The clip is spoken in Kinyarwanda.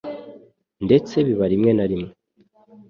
ndetse biba rimwe na rimwe